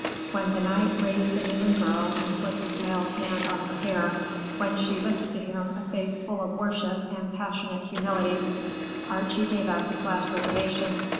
When the knight raised the kneeling girl and put his mailed hand on her hair, when she lifted to him a face full of worship and passionate humility, Archie gave up his last reservation.